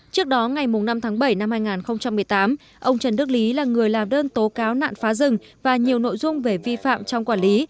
trước đó ngày năm tháng bảy năm hai nghìn một mươi tám ông trần đức lý là người làm đơn tố cáo nạn phá rừng và nhiều nội dung về vi phạm trong quản lý